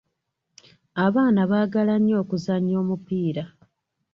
Abaana baagala nnyo okuzannya omupiira.